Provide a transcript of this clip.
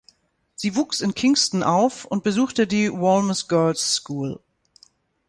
Sie wuchs in Kingston auf und besuchte die Wolmer’s Girls’ School.